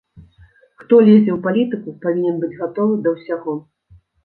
Хто лезе ў палітыку, павінен быць гатовы да ўсяго.